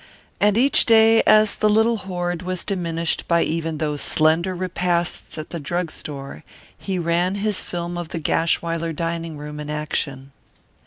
And each day, as the little hoard was diminished by even those slender repasts at the drug store, he ran his film of the Gashwiler dining room in action.